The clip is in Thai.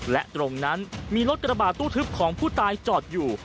และตรงนั้นมีรถกระบาดตู้ทึบของผู้ตายจอดอยู่